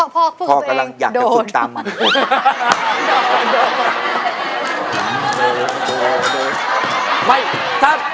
พ่อกำลังอยากจะสูตรตามมัน